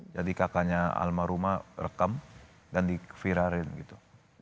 jadi kakaknya alma rumah rekam dan diviralin gitu